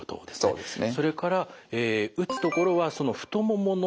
そうですね。